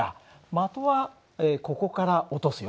的はここから落とすよ。